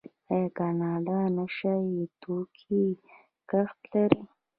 آیا کاناډا د نشه یي توکو کښت لري؟